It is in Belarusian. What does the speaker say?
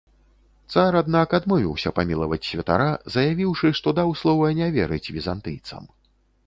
Цар, аднак, адмовіўся памілаваць святара, заявіўшы, што даў слова не верыць візантыйцам.